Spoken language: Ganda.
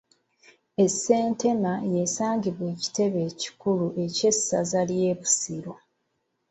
E Ssentema y’esangibwa ekitebe ekikulu eky’essaza ly’e Busiro.